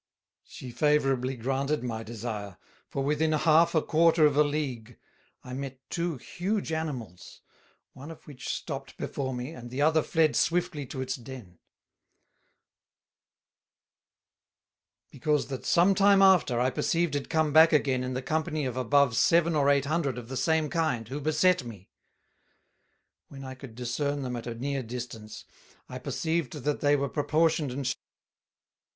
She favourably granted my desire; for within half a quarter of a League, I met two huge Animals, one of which stopt before me, and the other fled swiftly to its Den; for so I thought at least; because that some time after, I perceived it come back again in company of above Seven or Eight hundred of the same kind, who beset me. When I could discern them at a near distance, I perceived that they were proportioned and shaped like us.